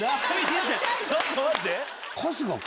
ちょっと待って春日君？